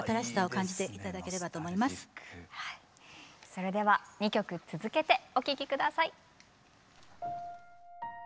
それでは２曲続けてお聴き下さい。